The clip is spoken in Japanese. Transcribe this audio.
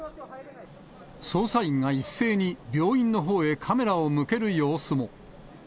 捜査員が一斉に病院のほうへカメラを向ける様子も。